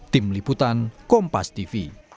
tim liputan kompas tv